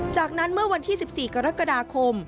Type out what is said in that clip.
จากนั้นเมื่อวันที่๑๔กรกฎาคม